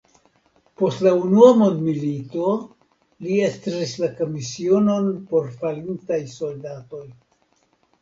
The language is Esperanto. Post la Unua mondmilito li estris la komisionon por falintaj soldatoj.